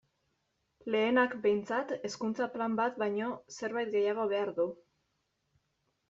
Lehenak, behintzat, Hezkuntza Plan bat baino zerbait gehiago behar du.